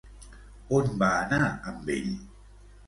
On va anar, amb ell?